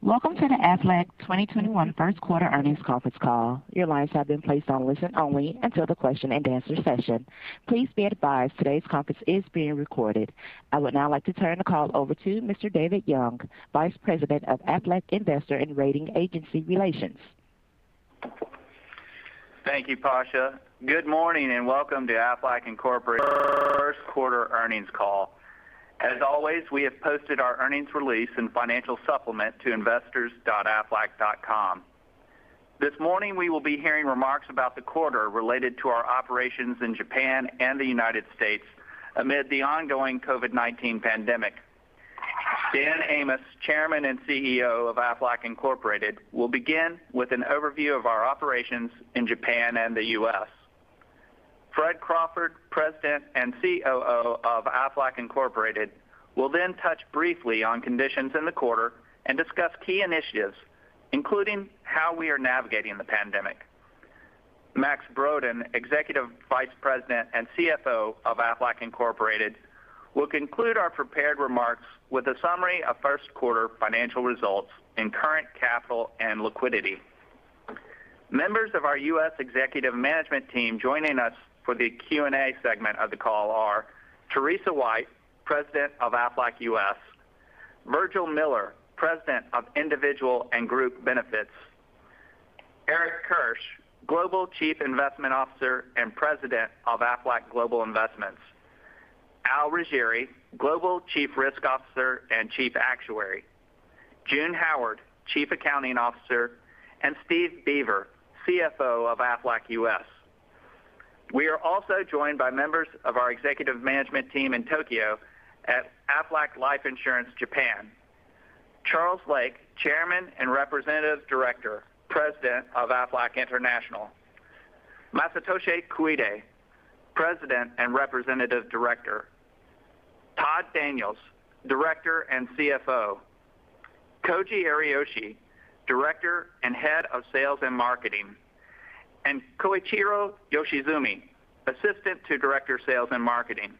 Welcome to the Aflac 2021 first quarter earnings conference call. Your lines have been placed on listen only until the question and answer session. Please be advised today's conference is being recorded. I would now like to turn the call over to Mr. David Young, Vice President of Investor and Rating Agency Relations. Thank you, Pasha. Good morning and welcome to Aflac Incorporated first quarter earnings call. As always, we have posted our earnings release and financial supplement to investors.aflac.com. This morning we will be hearing remarks about the quarter related to our operations in Japan and the U.S. amid the ongoing COVID-19 pandemic. Daniel Amos, Chairman and CEO of Aflac Incorporated, will begin with an overview of our operations in Japan and the U.S. Frederick Crawford, President and COO of Aflac Incorporated, will then touch briefly on conditions in the quarter and discuss key initiatives, including how we are navigating the pandemic. Max Brodén, Executive Vice President and CFO of Aflac Incorporated, will conclude our prepared remarks with a summary of first quarter financial results in current capital and liquidity. Members of our U.S. executive management team joining us for the Q&A segment of the call are Teresa White, President of Aflac U.S., Virgil Miller, President of Individual and Group Benefits, Eric Kirsch, Global Chief Investment Officer and President of Aflac Global Investments, Albert Riggieri, Global Chief Risk Officer and Chief Actuary, June Howard, Chief Accounting Officer, and Steven Beaver, CFO of Aflac U.S. We are also joined by members of our executive management team in Tokyo at Aflac Life Insurance Japan. Charles Lake, Chairman and Representative Director, President of Aflac International, Masatoshi Koide, President and Representative Director, Todd Daniels, Director and CFO, Koji Ariyoshi, Director and Head of Sales and Marketing, and Koichiro Yoshizumi, Assistant to Director of Sales and Marketing.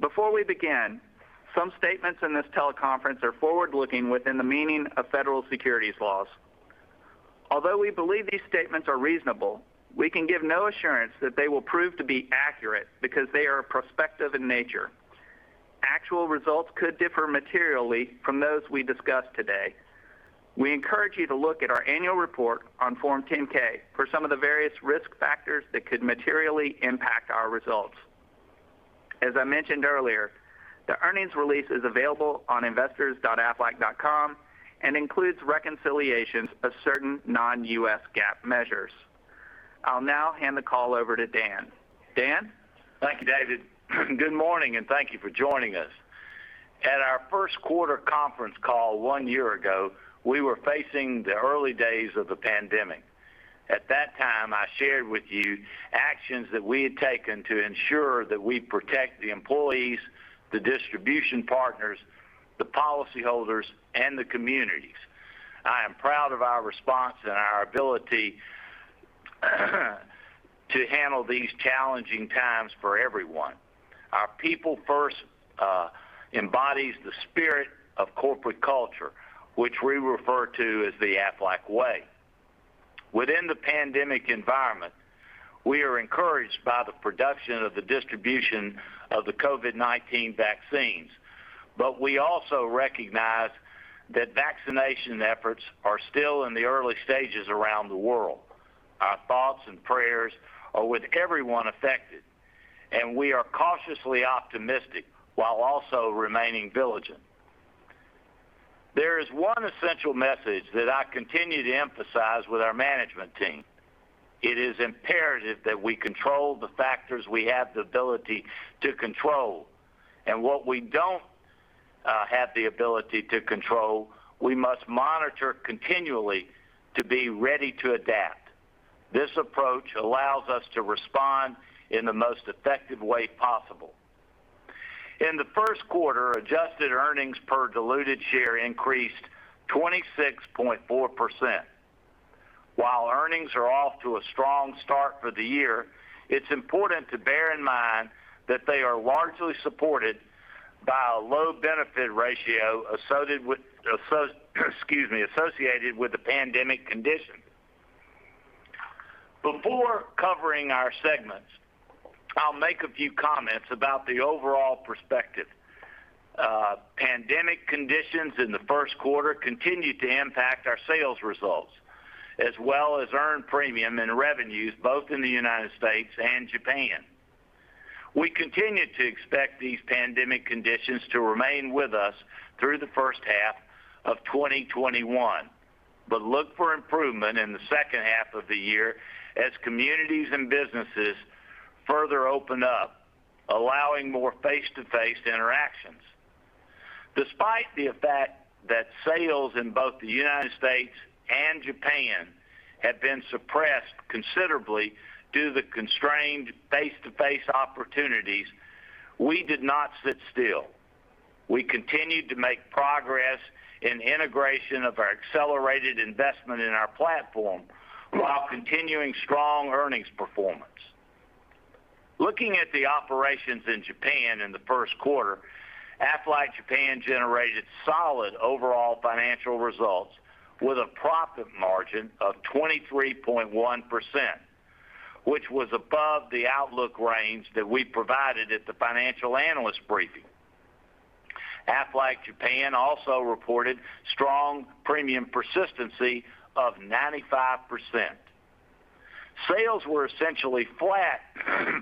Before we begin, some statements in this teleconference are forward-looking within the meaning of federal securities laws. Although we believe these statements are reasonable, we can give no assurance that they will prove to be accurate because they are prospective in nature. Actual results could differ materially from those we discuss today. We encourage you to look at our annual report on Form 10-K for some of the various risk factors that could materially impact our results. As I mentioned earlier, the earnings release is available on investors.aflac.com and includes reconciliations of certain non-U.S. GAAP measures. I'll now hand the call over to Dan. Dan? Thank you, David. Good morning and thank you for joining us. At our first quarter conference call one year ago, we were facing the early days of the pandemic. At that time, I shared with you actions that we had taken to ensure that we protect the employees, the distribution partners, the policyholders, and the communities. I am proud of our response and our ability to handle these challenging times for everyone. Our people first embodies the spirit of corporate culture, which we refer to as the Aflac way. Within the pandemic environment, we are encouraged by the production of the distribution of the COVID-19 vaccines. We also recognize that vaccination efforts are still in the early stages around the world. Our thoughts and prayers are with everyone affected, and we are cautiously optimistic while also remaining diligent. There is one essential message that I continue to emphasize with our management team. It is imperative that we control the factors we have the ability to control, and what we don't have the ability to control, we must monitor continually to be ready to adapt. This approach allows us to respond in the most effective way possible. In the first quarter, adjusted earnings per diluted share increased 26.4%. While earnings are off to a strong start for the year, it's important to bear in mind that they are largely supported by a low benefit ratio associated with the pandemic condition. Before covering our segments, I'll make a few comments about the overall perspective. Pandemic conditions in the first quarter continued to impact our sales results, as well as earned premium and revenues both in the U.S. and Japan. We continue to expect these pandemic conditions to remain with us through the first half of 2021, but look for improvement in the second half of the year as communities and businesses further open up, allowing more face-to-face interactions. Despite the effect that sales in both the U.S. and Japan have been suppressed considerably due to the constrained face-to-face opportunities, we did not sit still. We continued to make progress in integration of our accelerated investment in our platform while continuing strong earnings performance. Looking at the operations in Japan in the first quarter, Aflac Japan generated solid overall financial results with a profit margin of 23.1%, which was above the outlook range that we provided at the financial analyst briefing. Aflac Japan also reported strong premium persistency of 95%. Sales were essentially flat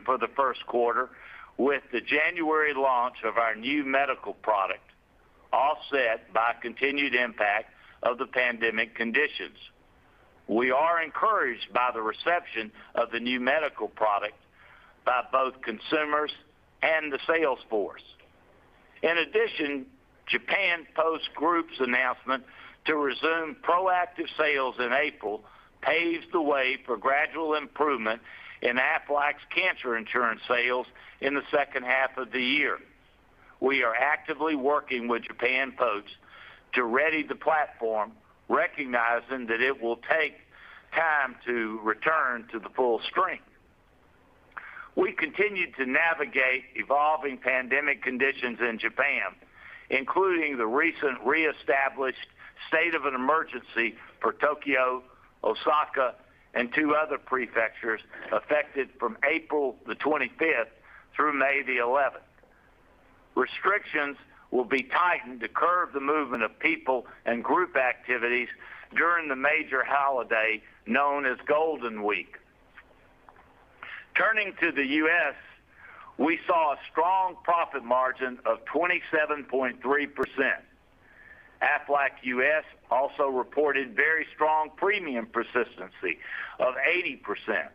for the first quarter with the January launch of our new medical product, offset by continued impact of the pandemic conditions. We are encouraged by the reception of the new medical product by both consumers and the sales force. In addition, Japan Post Group's announcement to resume proactive sales in April paves the way for gradual improvement in Aflac's cancer insurance sales in the second half of the year. We are actively working with Japan Post to ready the platform, recognizing that it will take time to return to the full strength. We continue to navigate evolving pandemic conditions in Japan, including the recent reestablished state of an emergency for Tokyo, Osaka, and two other prefectures affected from April the 25th through May the 11th. Restrictions will be tightened to curb the movement of people and group activities during the major holiday known as Golden Week. Turning to the U.S., we saw a strong profit margin of 27.3%. Aflac U.S. also reported very strong premium persistency of 80%.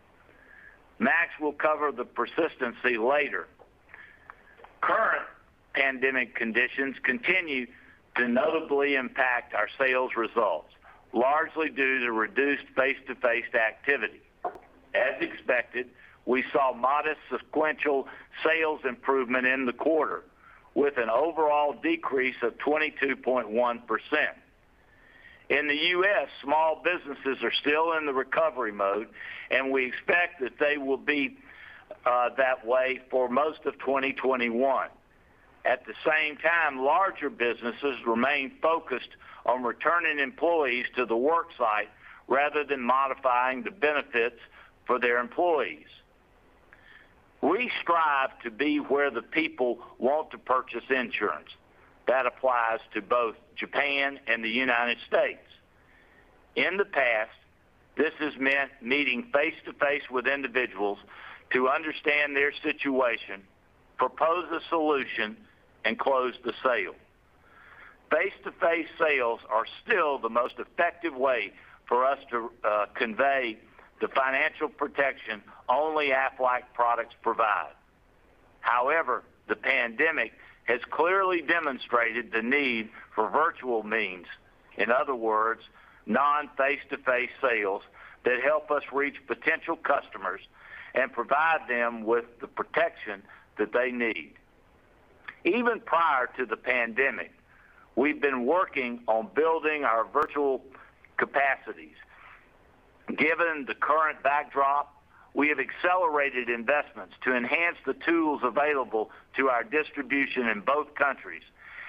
Max will cover the persistency later. Current pandemic conditions continue to notably impact our sales results, largely due to reduced face-to-face activity. As expected, we saw modest sequential sales improvement in the quarter, with an overall decrease of 22.1%. In the U.S., small businesses are still in the recovery mode, and we expect that they will be that way for most of 2021. At the same time, larger businesses remain focused on returning employees to the work site rather than modifying the benefits for their employees. We strive to be where the people want to purchase insurance. That applies to both Japan and the United States. In the past, this has meant meeting face-to-face with individuals to understand their situation, propose a solution, and close the sale. Face-to-face sales are still the most effective way for us to convey the financial protection only Aflac products provide. However, the pandemic has clearly demonstrated the need for virtual means, in other words, non-face-to-face sales that help us reach potential customers and provide them with the protection that they need. Even prior to the pandemic, we've been working on building our virtual capacities. Given the current backdrop, we have accelerated investments to enhance the tools available to our distribution in both countries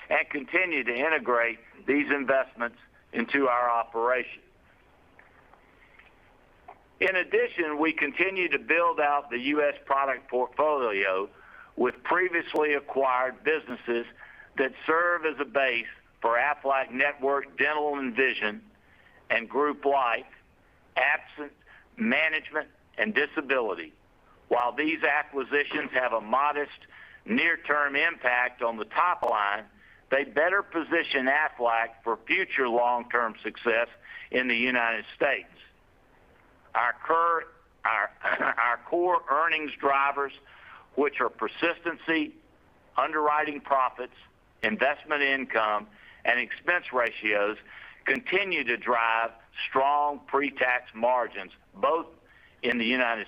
and continue to integrate these investments into our operations. In addition, we continue to build out the U.S. product portfolio with previously acquired businesses that serve as a base for Aflac Network Dental and Vision, and Group Life, Absence Management, and Disability. While these acquisitions have a modest near-term impact on the top line, they better position Aflac for future long-term success in the United States. Our core earnings drivers, which are persistency, underwriting profits, investment income, and expense ratios, continue to drive strong pre-tax margins, both in the U.S.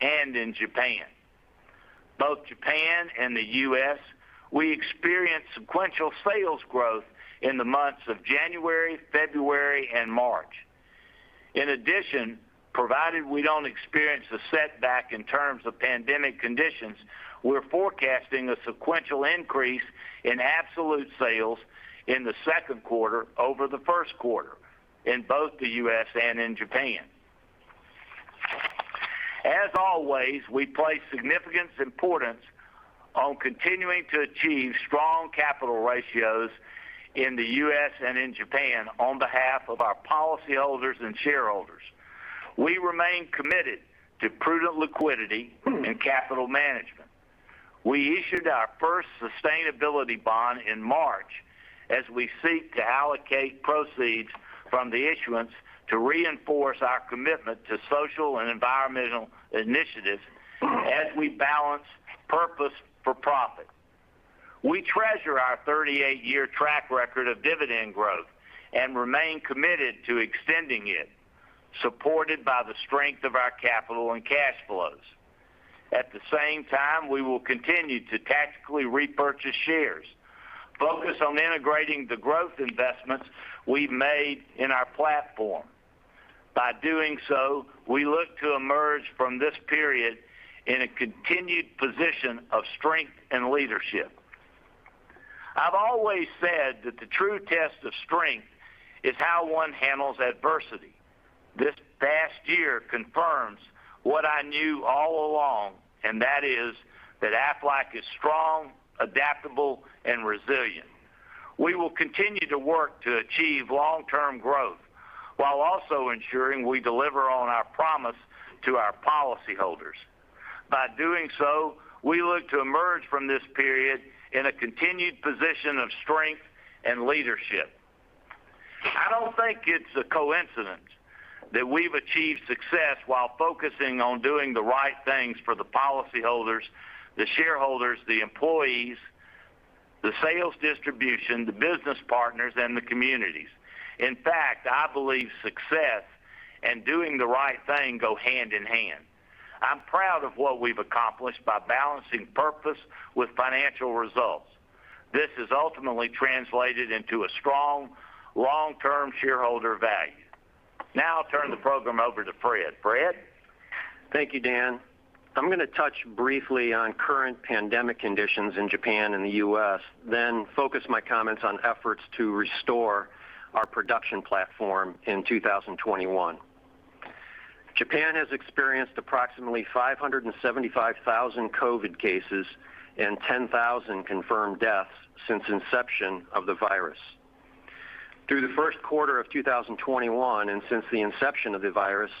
and in Japan. Both Japan and the U.S., we experienced sequential sales growth in the months of January, February, and March. In addition, provided we don't experience a setback in terms of pandemic conditions, we're forecasting a sequential increase in absolute sales in the second quarter over the first quarter in both the U.S. and in Japan. As always, we place significance importance on continuing to achieve strong capital ratios in the U.S. and in Japan on behalf of our policyholders and shareholders. We remain committed to prudent liquidity and capital management. We issued our first sustainability bond in March as we seek to allocate proceeds from the issuance to reinforce our commitment to social and environmental initiatives as we balance purpose for profit. We treasure our 38-year track record of dividend growth and remain committed to extending it, supported by the strength of our capital and cash flows. At the same time, we will continue to tactically repurchase shares, focus on integrating the growth investments we've made in our platform. By doing so, we look to emerge from this period in a continued position of strength and leadership. I've always said that the true test of strength is how one handles adversity. This past year confirms what I knew all along, and that is that Aflac is strong, adaptable, and resilient. We will continue to work to achieve long-term growth while also ensuring we deliver on our promise to our policyholders. By doing so, we look to emerge from this period in a continued position of strength and leadership. I don't think it's a coincidence that we've achieved success while focusing on doing the right things for the policyholders, the shareholders, the employees, the sales distribution, the business partners, and the communities. In fact, I believe success and doing the right thing go hand in hand. I'm proud of what we've accomplished by balancing purpose with financial results. This has ultimately translated into a strong, long-term shareholder value. Now I'll turn the program over to Fred. Fred? Thank you, Dan. I'm going to touch briefly on current pandemic conditions in Japan and the U.S., then focus my comments on efforts to restore our production platform in 2021. Japan has experienced approximately 575,000 COVID cases and 10,000 confirmed deaths since inception of the virus. Through the first quarter of 2021 and since the inception of the virus,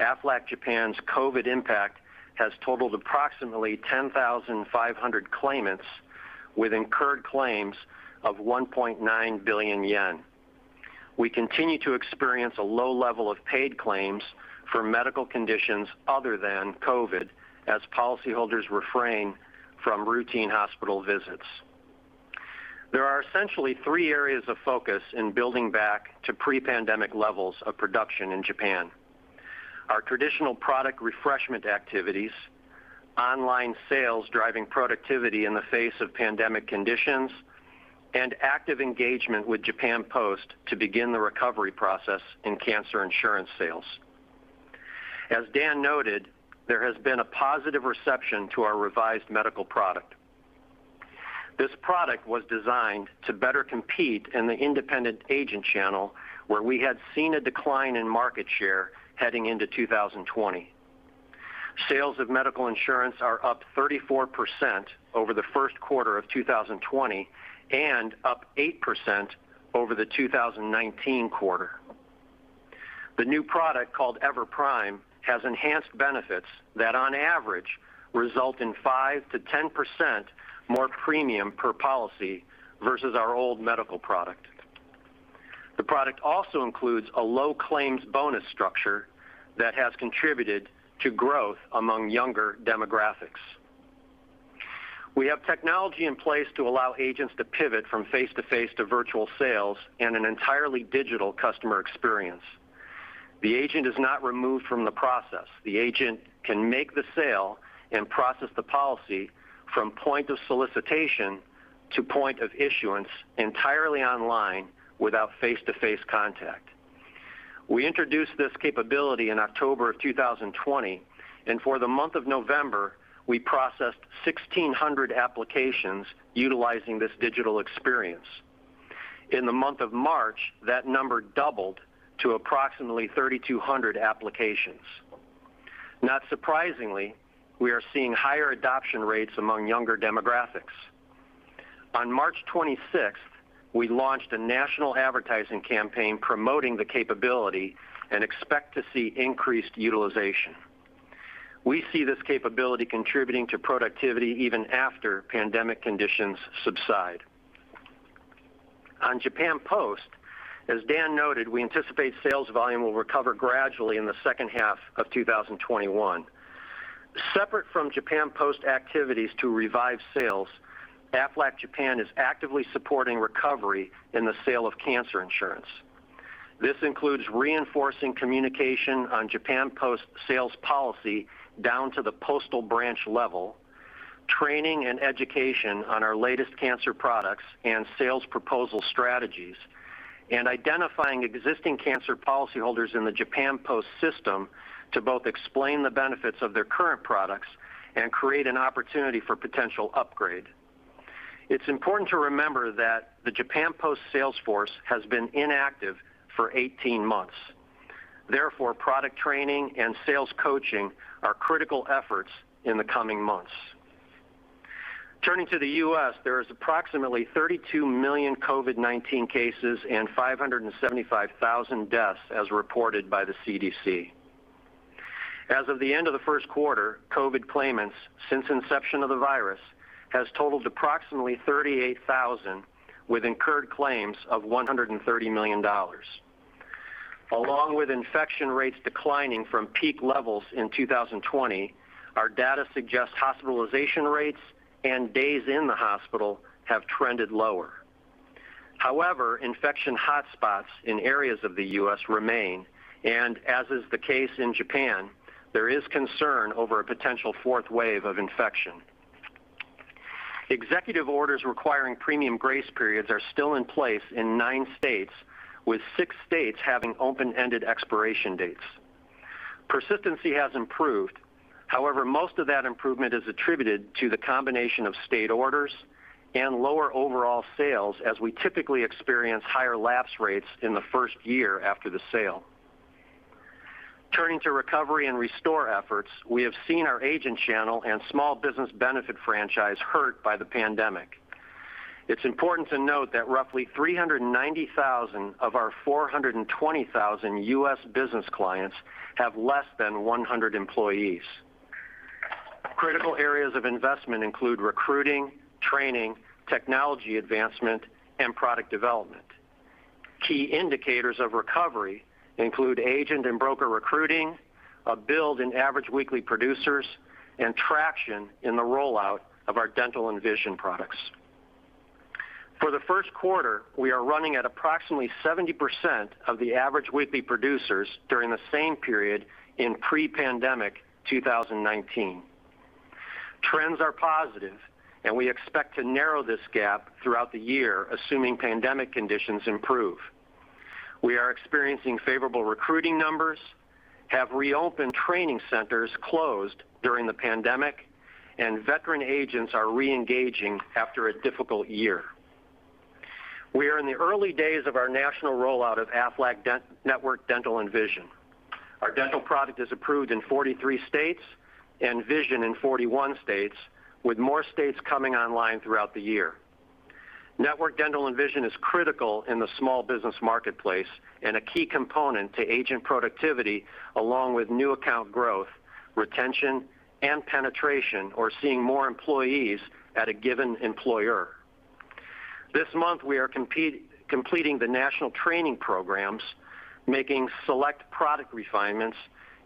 Aflac Japan's COVID impact has totaled approximately 10,500 claimants with incurred claims of ¥1.9 billion. We continue to experience a low level of paid claims for medical conditions other than COVID as policyholders refrain from routine hospital visits. There are essentially three areas of focus in building back to pre-pandemic levels of production in Japan. Our traditional product refreshment activities, online sales driving productivity in the face of pandemic conditions, and active engagement with Japan Post to begin the recovery process in cancer insurance sales. As Dan noted, there has been a positive reception to our revised medical product. This product was designed to better compete in the independent agent channel where we had seen a decline in market share heading into 2020. Sales of medical insurance are up 34% over the first quarter of 2020 and up 8% over the 2019 quarter. The new product, called EVER Prime, has enhanced benefits that, on average, result in 5%-10% more premium per policy versus our old medical product. The product also includes a low claims bonus structure that has contributed to growth among younger demographics. We have technology in place to allow agents to pivot from face-to-face to virtual sales and an entirely digital customer experience. The agent is not removed from the process. The agent can make the sale and process the policy from point of solicitation to point of issuance entirely online without face-to-face contact. We introduced this capability in October of 2020. For the month of November, we processed 1,600 applications utilizing this digital experience. In the month of March, that number doubled to approximately 3,200 applications. Not surprisingly, we are seeing higher adoption rates among younger demographics. On March 26th, we launched a national advertising campaign promoting the capability and expect to see increased utilization. We see this capability contributing to productivity even after pandemic conditions subside. On Japan Post, as Dan noted, we anticipate sales volume will recover gradually in the second half of 2021. Separate from Japan Post activities to revive sales, Aflac Japan is actively supporting recovery in the sale of cancer insurance. This includes reinforcing communication on Japan Post sales policy down to the postal branch level, training and education on our latest cancer products and sales proposal strategies, and identifying existing cancer policyholders in the Japan Post system to both explain the benefits of their current products and create an opportunity for potential upgrade. It's important to remember that the Japan Post sales force has been inactive for 18 months. Product training and sales coaching are critical efforts in the coming months. Turning to the U.S., there is approximately 32 million COVID-19 cases and 575,000 deaths as reported by the CDC. As of the end of the first quarter, COVID claimants since inception of the virus has totaled approximately 38,000 with incurred claims of $130 million. Along with infection rates declining from peak levels in 2020, our data suggests hospitalization rates and days in the hospital have trended lower. Infection hotspots in areas of the U.S. remain, and as is the case in Japan, there is concern over a potential fourth wave of infection. Executive orders requiring premium grace periods are still in place in nine states, with six states having open-ended expiration dates. Persistency has improved. Most of that improvement is attributed to the combination of state orders and lower overall sales as we typically experience higher lapse rates in the first year after the sale. Turning to recovery and restore efforts, we have seen our agent channel and small business benefit franchise hurt by the pandemic. It's important to note that roughly 390,000 of our 420,000 U.S. business clients have less than 100 employees. Critical areas of investment include recruiting, training, technology advancement, and product development. Key indicators of recovery include agent and broker recruiting, a build in average weekly producers, and traction in the rollout of our dental and vision products. For the first quarter, we are running at approximately 70% of the average weekly producers during the same period in pre-pandemic 2019. Trends are positive, and we expect to narrow this gap throughout the year, assuming pandemic conditions improve. We are experiencing favorable recruiting numbers, have reopened training centers closed during the pandemic, and veteran agents are re-engaging after a difficult year. We are in the early days of our national rollout of Aflac Network Dental and Vision. Our dental product is approved in 43 states and vision in 41 states, with more states coming online throughout the year. Network Dental and Vision is critical in the small business marketplace and a key component to agent productivity, along with new account growth, retention, and penetration, or seeing more employees at a given employer. This month, we are completing the national training programs, making select product refinements,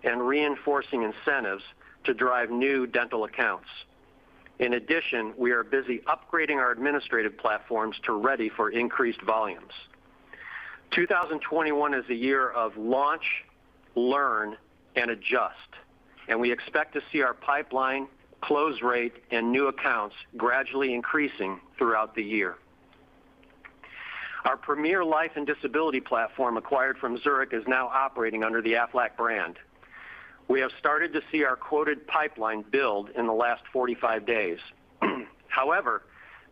and reinforcing incentives to drive new dental accounts. We are busy upgrading our administrative platforms to ready for increased volumes. 2021 is a year of launch, learn, and adjust, and we expect to see our pipeline, close rate, and new accounts gradually increasing throughout the year. Our premier life and disability platform acquired from Zurich is now operating under the Aflac brand. We have started to see our quoted pipeline build in the last 45 days.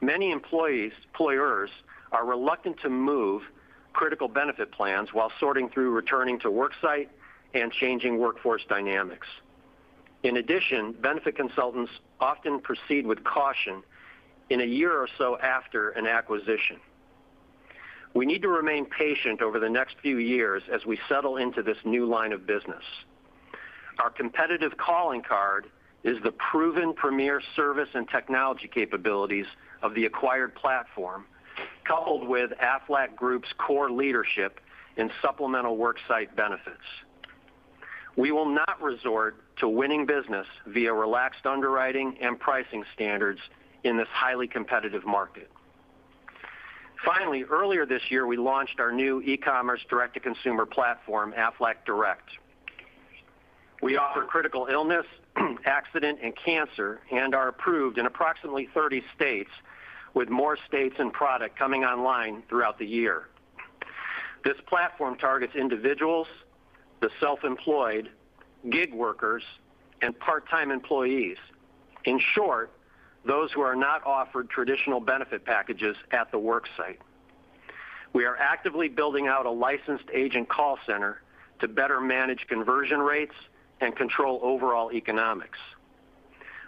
Many employers are reluctant to move critical benefit plans while sorting through returning to worksite and changing workforce dynamics. Benefit consultants often proceed with caution in a year or so after an acquisition. We need to remain patient over the next few years as we settle into this new line of business. Our competitive calling card is the proven premier service and technology capabilities of the acquired platform, coupled with Aflac Group's core leadership in supplemental worksite benefits. We will not resort to winning business via relaxed underwriting and pricing standards in this highly competitive market. Finally, earlier this year, we launched our new e-commerce direct-to-consumer platform, Aflac Direct. We offer critical illness, accident, and cancer and are approved in approximately 30 states, with more states and product coming online throughout the year. This platform targets individuals, the self-employed, gig workers, and part-time employees. In short, those who are not offered traditional benefit packages at the worksite. We are actively building out a licensed agent call center to better manage conversion rates and control overall economics.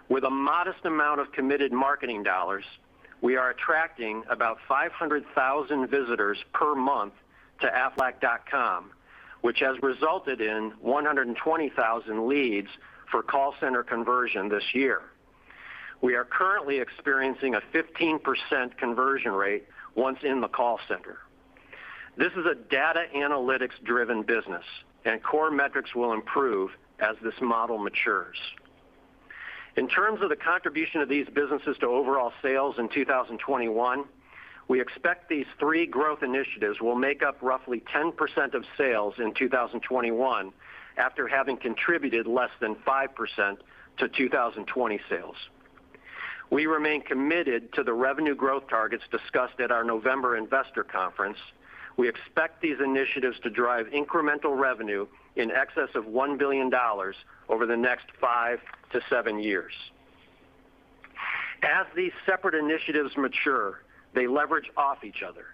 With a modest amount of committed marketing dollars, we are attracting about 500,000 visitors per month to Aflac.com, which has resulted in 120,000 leads for call center conversion this year. We are currently experiencing a 15% conversion rate once in the call center. This is a data analytics-driven business, and core metrics will improve as this model matures. In terms of the contribution of these businesses to overall sales in 2021, we expect these three growth initiatives will make up roughly 10% of sales in 2021 after having contributed less than 5% to 2020 sales. We remain committed to the revenue growth targets discussed at our November investor conference. We expect these initiatives to drive incremental revenue in excess of $1 billion over the next five to seven years. As these separate initiatives mature, they leverage off each other.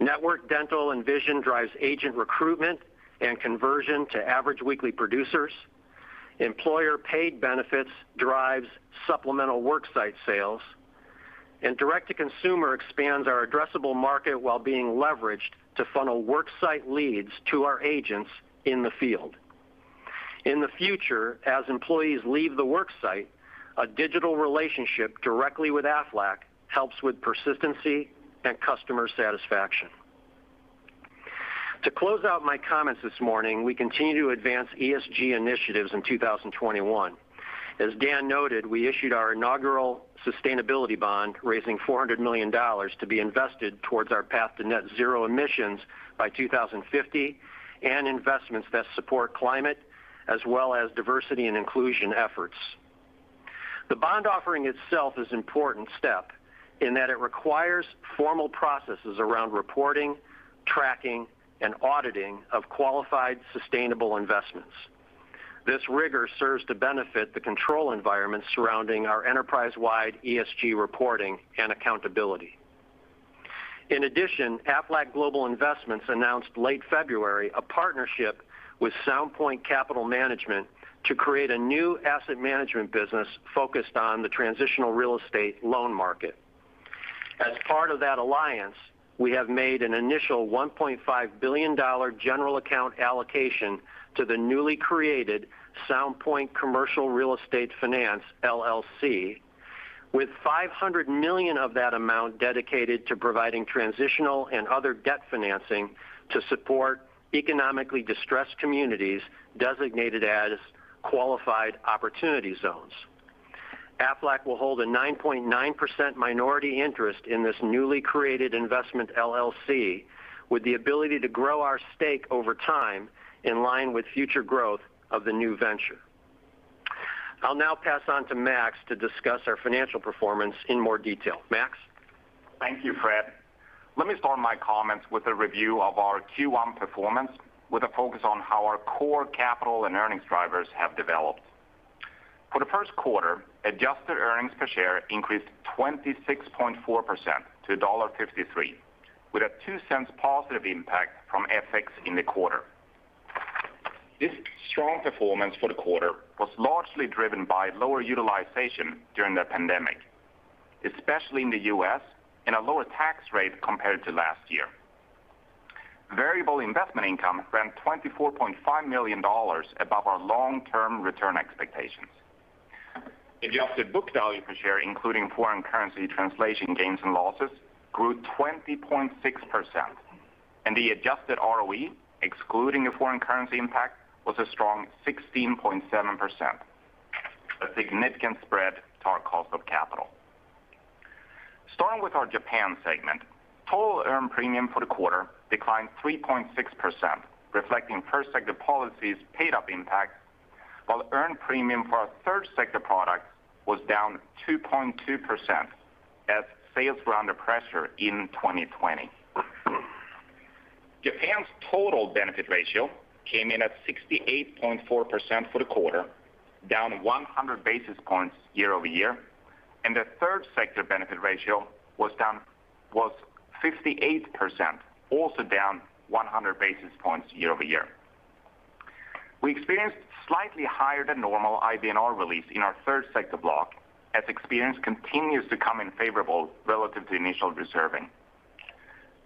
Network Dental and Vision drives agent recruitment and conversion to average weekly producers. Employer-paid benefits drives supplemental worksite sales. Direct-to-consumer expands our addressable market while being leveraged to funnel worksite leads to our agents in the field. In the future, as employees leave the worksite, a digital relationship directly with Aflac helps with persistency and customer satisfaction. To close out my comments this morning, we continue to advance ESG initiatives in 2021. As Dan noted, we issued our inaugural sustainability bond, raising $400 million to be invested towards our path to net zero emissions by 2050 and investments that support climate as well as diversity and inclusion efforts. The bond offering itself is an important step in that it requires formal processes around reporting, tracking, and auditing of qualified, sustainable investments. This rigor serves to benefit the control environment surrounding our enterprise-wide ESG reporting and accountability. Aflac Global Investments announced late February a partnership with Sound Point Capital Management to create a new asset management business focused on the transitional real estate loan market. As part of that alliance, we have made an initial $1.5 billion general account allocation to the newly created Sound Point Commercial Real Estate Finance LLC, with $500 million of that amount dedicated to providing transitional and other debt financing to support economically distressed communities designated as Qualified Opportunity Zones. Aflac will hold a 9.9% minority interest in this newly created investment LLC with the ability to grow our stake over time in line with future growth of the new venture. I'll now pass on to Max to discuss our financial performance in more detail. Max? Thank you, Fred. Let me start my comments with a review of our Q1 performance with a focus on how our core capital and earnings drivers have developed. For the first quarter, adjusted earnings per share increased 26.4% to $1.53, with a $0.02 positive impact from FX in the quarter. This strong performance for the quarter was largely driven by lower utilization during the pandemic, especially in the U.S., and a lower tax rate compared to last year. Variable investment income ran $24.5 million above our long-term return expectations. Adjusted book value per share, including foreign currency translation gains and losses, grew 20.6%, and the adjusted ROE, excluding a foreign currency impact, was a strong 16.7%, a significant spread to our cost of capital. Starting with our Japan segment, total earned premium for the quarter declined 3.6%, reflecting first sector policies paid up impact, while earned premium for our third sector products was down 2.2% as sales were under pressure in 2020. Japan's total benefit ratio came in at 68.4% for the quarter, down 100 basis points year-over-year, and the third sector benefit ratio was 58%, also down 100 basis points year-over-year. We experienced slightly higher than normal IBNR release in our third sector block as experience continues to come in favorable relative to initial reserving.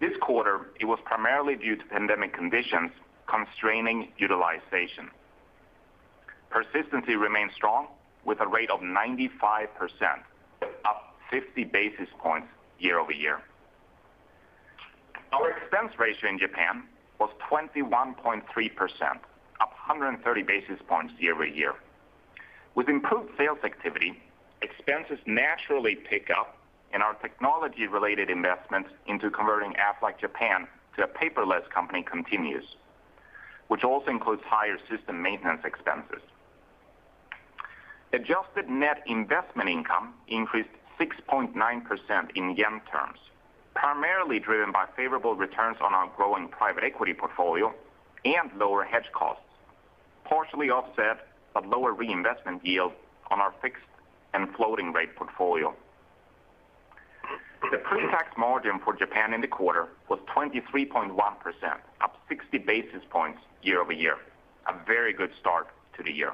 This quarter, it was primarily due to pandemic conditions constraining utilization. Persistency remains strong with a rate of 95%, up 50 basis points year-over-year. Our expense ratio in Japan was 21.3%, up 130 basis points year-over-year. With improved sales activity, expenses naturally pick up and our technology related investments into converting Aflac Japan to a paperless company continues, which also includes higher system maintenance expenses. Adjusted net investment income increased 6.9% in JPY terms, primarily driven by favorable returns on our growing private equity portfolio and lower hedge costs, partially offset by lower reinvestment yield on our fixed and floating rate portfolio. The pretax margin for Japan in the quarter was 23.1%, up 60 basis points year-over-year. A very good start to the year.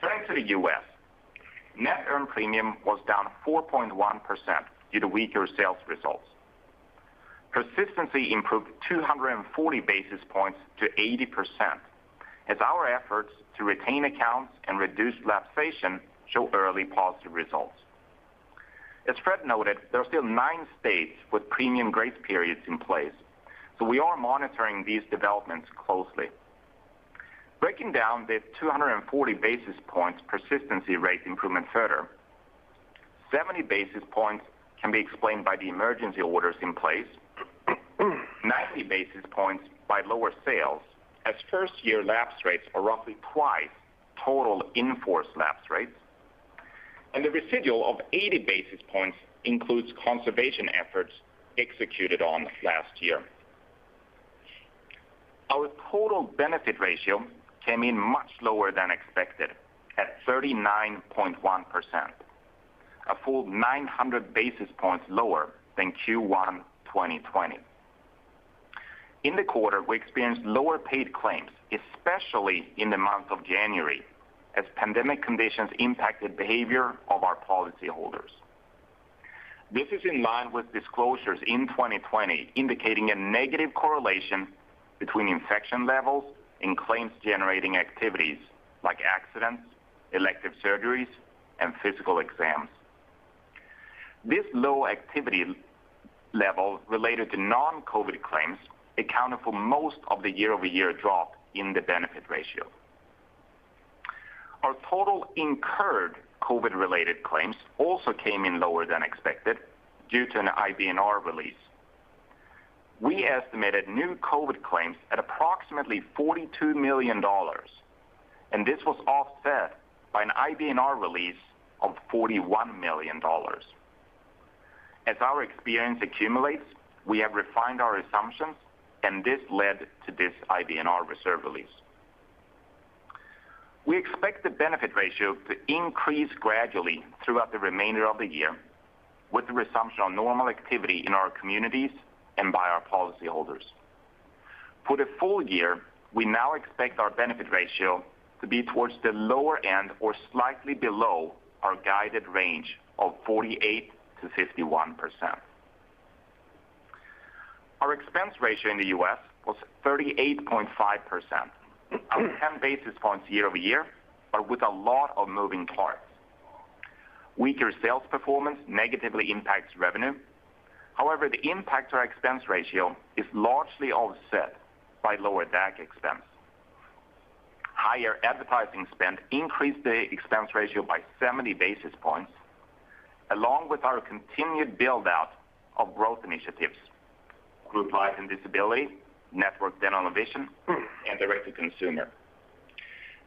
Turning to the U.S., net earned premium was down 4.1% due to weaker sales results. Persistency improved 240 basis points to 80%, as our efforts to retain accounts and reduce lapsation show early positive results. As Fred noted, there are still nine states with premium grace periods in place, so we are monitoring these developments closely. Breaking down the 240 basis points persistency rate improvement further, 70 basis points can be explained by the emergency orders in place, 90 basis points by lower sales as first year lapse rates are roughly twice total in-force lapse rates. The residual of 80 basis points includes conservation efforts executed on last year. Our total benefit ratio came in much lower than expected, at 39.1%, a full 900 basis points lower than Q1 2020. In the quarter, we experienced lower paid claims, especially in the month of January, as pandemic conditions impacted behavior of our policyholders. This is in line with disclosures in 2020 indicating a negative correlation between infection levels and claims-generating activities like accidents, elective surgeries, and physical exams. This low activity level related to non-COVID claims accounted for most of the year-over-year drop in the benefit ratio. Our total incurred COVID-related claims also came in lower than expected due to an IBNR release. We estimated new COVID claims at approximately $42 million, and this was offset by an IBNR release of $41 million. As our experience accumulates, we have refined our assumptions, and this led to this IBNR reserve release. We expect the benefit ratio to increase gradually throughout the remainder of the year with the resumption of normal activity in our communities and by our policyholders. For the full year, we now expect our benefit ratio to be towards the lower end or slightly below our guided range of 48%-51%. Our expense ratio in the U.S. was 38.5%, up 10 basis points year-over-year, with a lot of moving parts. Weaker sales performance negatively impacts revenue. The impact to our expense ratio is largely offset by lower DAC expense. Higher advertising spend increased the expense ratio by 70 basis points, along with our continued build-out of growth initiatives, group life and disability, network dental and vision, and direct-to-consumer.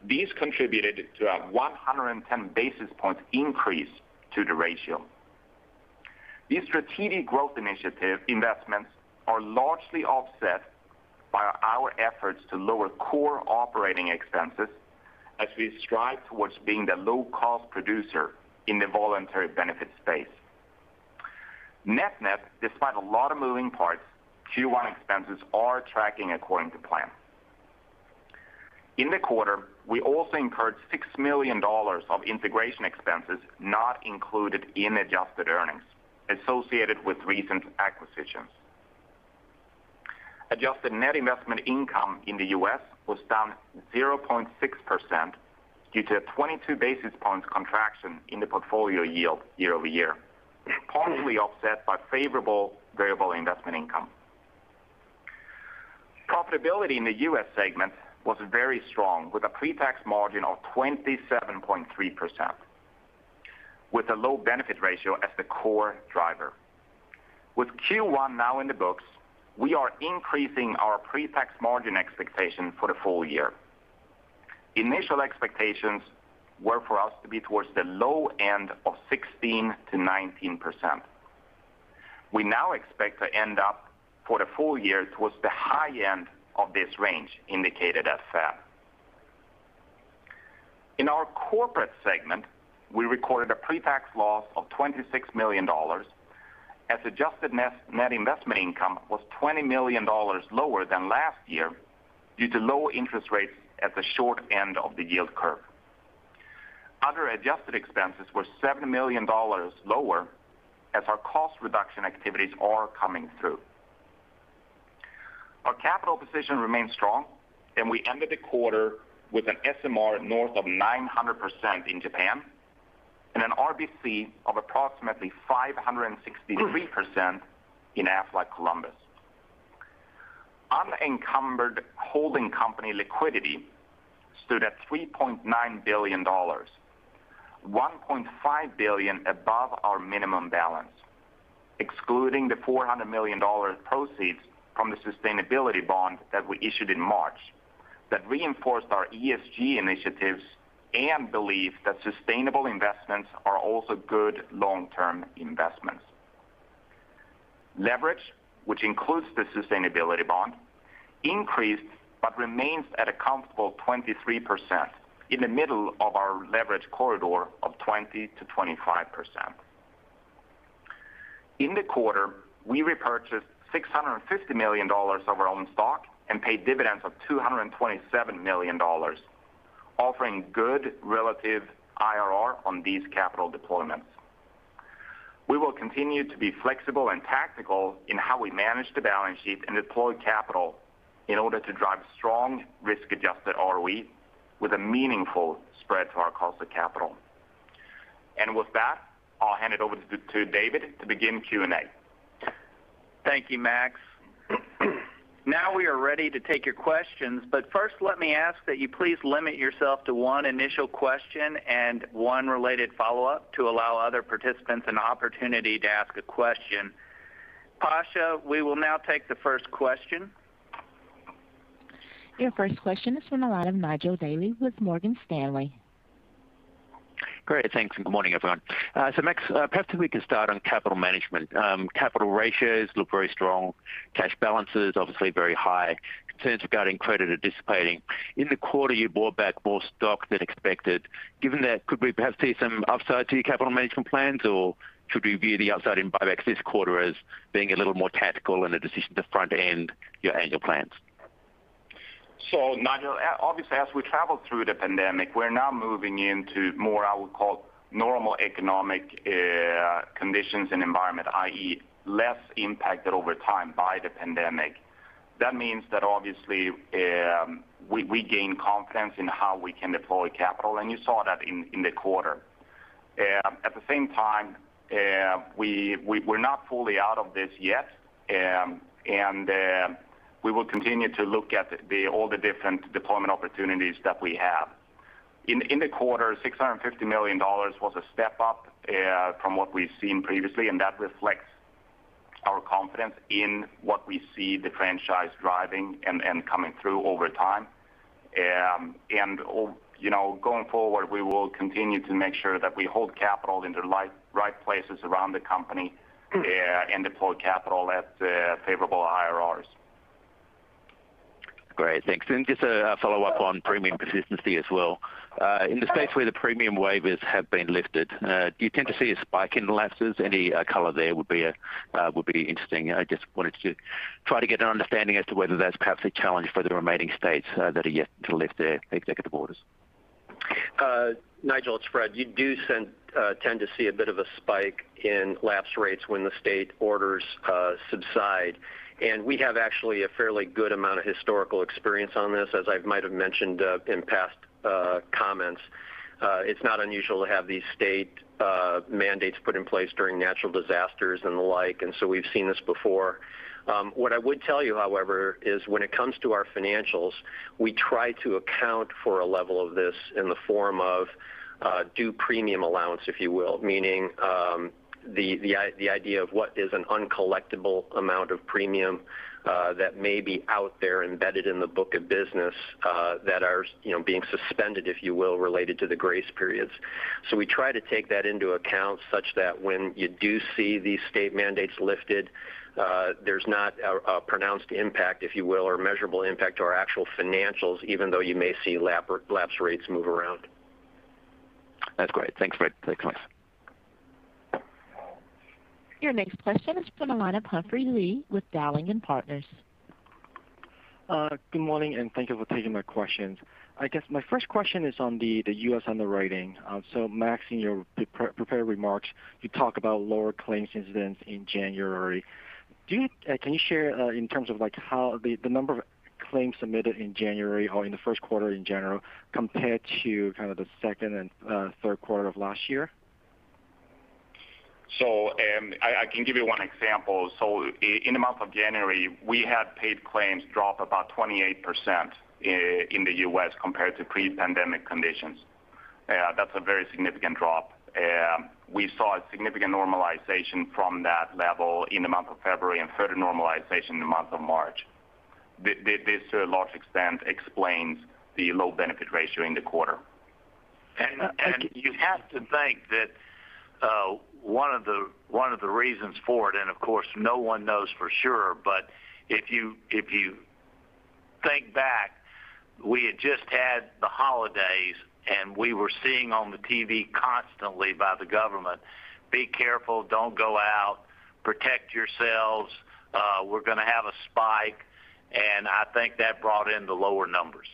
These contributed to a 110 basis point increase to the ratio. These strategic growth initiative investments are largely offset by our efforts to lower core operating expenses as we strive towards being the low-cost producer in the voluntary benefits space. Net net, despite a lot of moving parts, Q1 expenses are tracking according to plan. In the quarter, we also incurred $6 million of integration expenses not included in adjusted earnings associated with recent acquisitions. Adjusted net investment income in the U.S. was down 0.6% due to a 22 basis points contraction in the portfolio yield year-over-year, partially offset by favorable variable investment income. Profitability in the U.S. segment was very strong, with a pre-tax margin of 27.3%, with a low benefit ratio as the core driver. With Q1 now in the books, we are increasing our pre-tax margin expectation for the full year. Initial expectations were for us to be towards the low end of 16%-19%. We now expect to end up for the full year towards the high end of this range indicated as such. In our corporate segment, we recorded a pre-tax loss of $26 million as adjusted net investment income was $20 million lower than last year due to lower interest rates at the short end of the yield curve. Other adjusted expenses were $7 million lower as our cost reduction activities are coming through. Our capital position remains strong. We ended the quarter with an SMR north of 900% in Japan and an RBC of approximately 563% in Aflac Columbus. Unencumbered holding company liquidity stood at $3.9 billion, $1.5 billion above our minimum balance, excluding the $400 million proceeds from the sustainability bond that we issued in March that reinforced our ESG initiatives and belief that sustainable investments are also good long-term investments. Leverage, which includes the sustainability bond, increased but remains at a comfortable 23% in the middle of our leverage corridor of 20%-25%. In the quarter, we repurchased $650 million of our own stock and paid dividends of $227 million, offering good relative IRR on these capital deployments. We will continue to be flexible and tactical in how we manage the balance sheet and deploy capital in order to drive strong risk-adjusted ROE with a meaningful spread to our cost of capital. With that, I'll hand it over to David to begin Q&A. Thank you, Max. Now we are ready to take your questions. First let me ask that you please limit yourself to one initial question and one related follow-up to allow other participants an opportunity to ask a question. Pasha, we will now take the first question. Your first question is from the line of Nigel Dally with Morgan Stanley. Great. Thanks, good morning, everyone. Max, perhaps if we could start on capital management. Capital ratios look very strong. Cash balances, obviously very high. Concerns regarding credit are dissipating. In the quarter, you bought back more stock than expected. Given that, could we perhaps see some upside to your capital management plans, or should we view the upside in buybacks this quarter as being a little more tactical and a decision to front-end your annual plans? Nigel, obviously, as we travel through the pandemic, we're now moving into more, I would call, normal economic conditions and environment, i.e., less impacted over time by the pandemic. That means that obviously, we gain confidence in how we can deploy capital, and you saw that in the quarter. At the same time, we're not fully out of this yet, and we will continue to look at all the different deployment opportunities that we have. In the quarter, $650 million was a step up from what we've seen previously, and that reflects our confidence in what we see the franchise driving and coming through over time. Going forward, we will continue to make sure that we hold capital in the right places around the company, and deploy capital at favorable IRRs. Great. Thanks. Just a follow-up on premium persistencyas well. In the states where the premium waivers have been lifted, do you tend to see a spike in lapses? Any color there would be interesting. I just wanted to try to get an understanding as to whether that's perhaps a challenge for the remaining states that are yet to lift their executive orders. Nigel, it's Fred. You do tend to see a bit of a spike in lapse rates when the state orders subside. We have actually a fairly good amount of historical experience on this, as I might have mentioned in past comments. It's not unusual to have these state mandates put in place during natural disasters and the like. We've seen this before. What I would tell you, however, is when it comes to our financials, we try to account for a level of this in the form of due premium allowance, if you will, meaning, the idea of what is an uncollectable amount of premium that may be out there embedded in the book of business that are being suspended, if you will, related to the grace periods. We try to take that into account such that when you do see these state mandates lifted, there's not a pronounced impact, if you will, or measurable impact to our actual financials, even though you may see lapse rates move around. That's great. Thanks, Fred. Thanks, Max. Your next question is from the line of Humphrey Lee with Dowling & Partners. Good morning, and thank you for taking my questions. I guess my first question is on the U.S. underwriting. Max, in your prepared remarks, you talk about lower claims incidents in January. Can you share in terms of the number of claims submitted in January or in the first quarter in general, compared to kind of the second and third quarter of last year? I can give you one example. In the month of January, we had paid claims drop about 28% in the U.S. compared to pre-pandemic conditions. That's a very significant drop. We saw a significant normalization from that level in the month of February and further normalization in the month of March. This, to a large extent, explains the low benefit ratio in the quarter. You have to think that one of the reasons for it, and of course, no one knows for sure, but if you think back, we had just had the holidays, and we were seeing on the TV constantly by the government, "Be careful. Don't go out. Protect yourselves. We're going to have a spike." I think that brought in the lower numbers.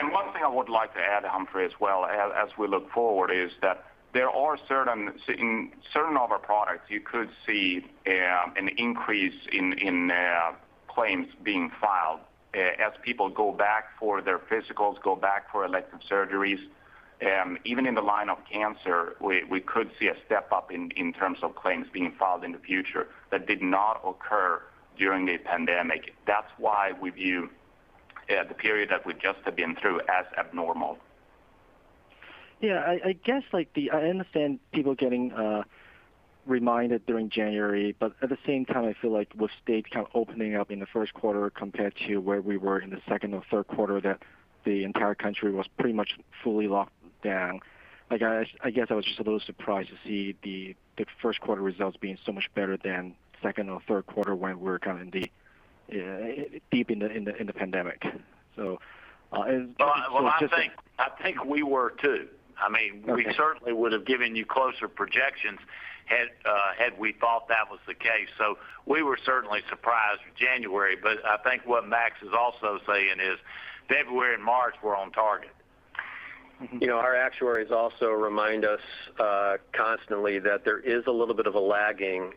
One thing I would like to add, Humphrey, as well, as we look forward, is that in certain of our products, you could see an increase in claims being filed as people go back for their physicals, go back for elective surgeries. Even in the line of cancer, we could see a step-up in terms of claims being filed in the future that did not occur during the pandemic. That's why we view the period that we just have been through as abnormal. Yeah. I understand people getting reminded during January, but at the same time, I feel like with states kind of opening up in the first quarter compared to where we were in the second or third quarter, that the entire country was pretty much fully locked down. I guess I was just a little surprised to see the first quarter results being so much better than second or third quarter when we were kind of deep in the pandemic. Well, I think we were too. Okay. We certainly would've given you closer projections had we thought that was the case. We were certainly surprised with January, but I think what Max is also saying is February and March were on target. Our actuaries also remind us constantly that there is a little bit of a lagging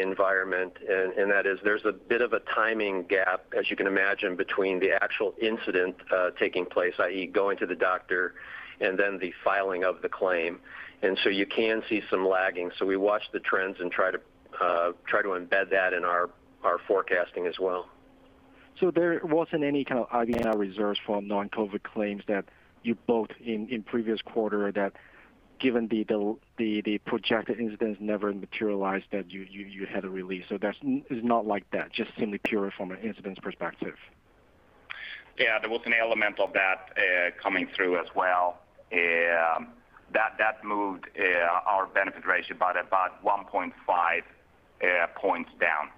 environment, and that is there's a bit of a timing gap, as you can imagine, between the actual incident taking place, i.e., going to the doctor, and then the filing of the claim. You can see some lagging. We watch the trends and try to embed that in our forecasting as well. There wasn't any kind of add-in reserves for non-COVID claims that you booked in previous quarter that given the projected incidence never materialized, that you had to release. It's not like that, just simply pure from an incidence perspective. Yeah. There was an element of that coming through as well. That moved our benefit ratio by about 1.5 points down.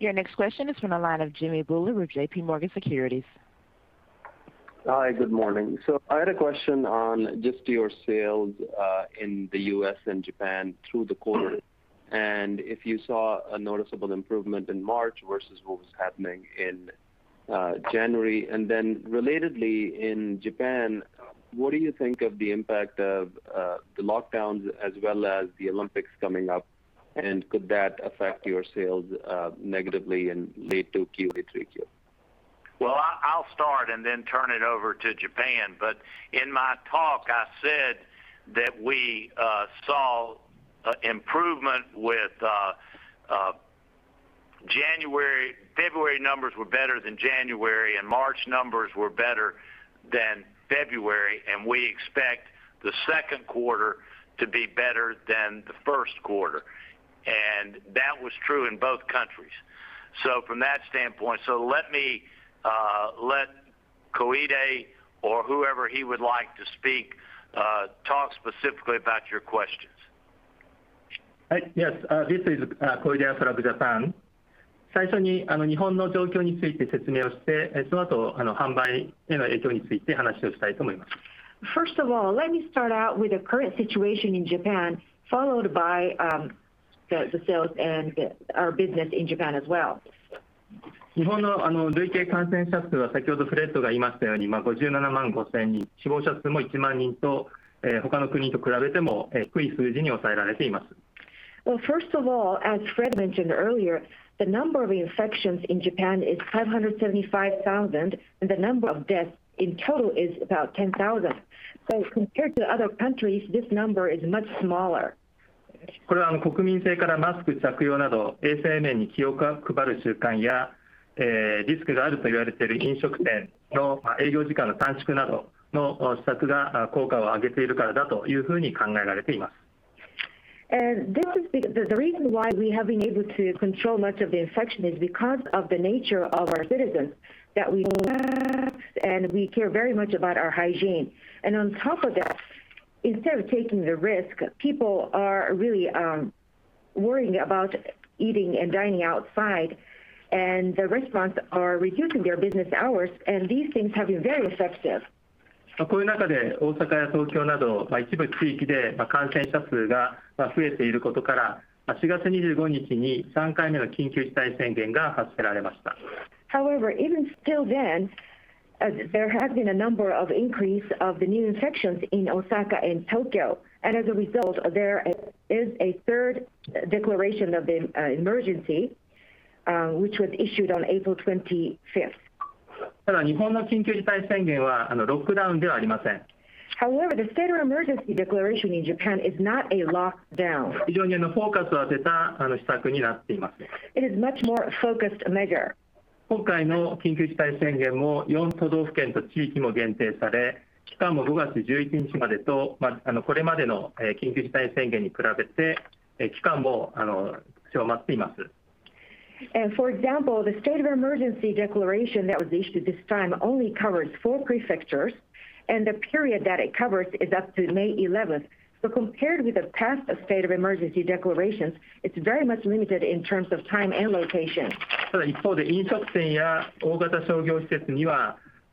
Your next question is from the line of Jimmy Bhullar with JPMorgan Securities. Hi. Good morning. I had a question on just your sales in the U.S. and Japan through the quarter, and if you saw a noticeable improvement in March versus what was happening in January. Relatedly, in Japan, what do you think of the impact of the lockdowns as well as the Olympics coming up, and could that affect your sales negatively in late Q2, Q3? Well, I'll start and then turn it over to Japan. In my talk, I said that we saw improvement with February numbers were better than January, and March numbers were better than February, and we expect the second quarter to be better than the first quarter. That was true in both countries. From that standpoint, let Koide, or whoever he would like to speak, talk specifically about your questions. Yes. This is Koide, Aflac Japan. First of all, let me start out with the current situation in Japan, followed by the sales and our business in Japan as well. First of all, as Fred mentioned earlier, the number of infections in Japan is 575,000, the number of deaths in total is about 10,000. Compared to other countries, this number is much smaller. The reason why we have been able to control much of the infection is because of the nature of our citizens, that we care very much about our hygiene. On top of that, instead of taking the risk, people are really worrying about eating and dining outside, the restaurants are reducing their business hours, these things have been very effective. However, even still then, there have been a number of increase of the new infections in Osaka and Tokyo. As a result, there is a third declaration of the emergency, which was issued on April 25th. However, the state of emergency declaration in Japan is not a lockdown. It is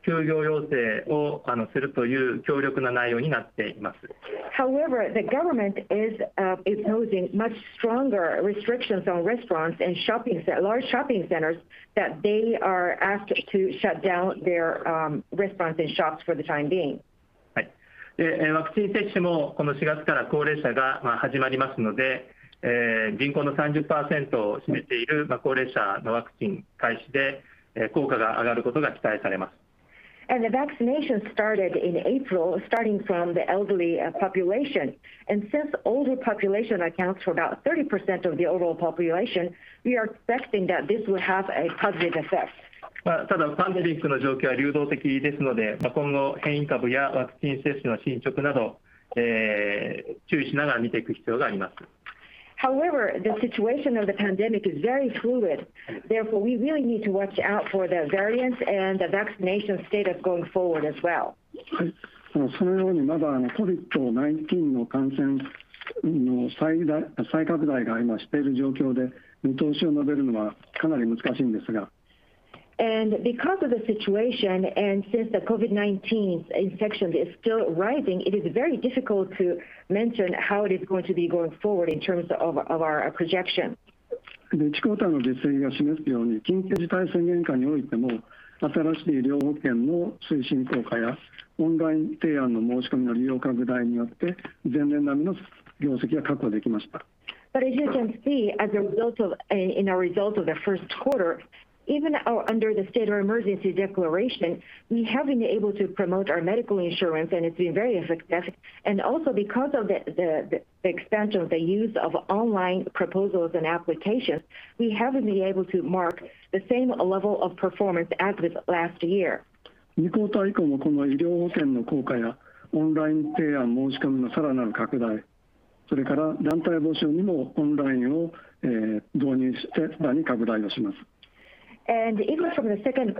much more focused measure. For example, the state of emergency declaration that was issued this time only covers four prefectures, even under the state of emergency declaration, we have been able to promote our medical insurance, and it's been very effective. Also because of the expansion of the use of online proposals and applications, we have been able to mark the same level of performance as of last year. Even from the second quarter